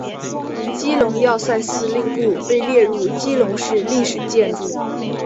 基隆要塞司令部被列入基隆市历史建筑。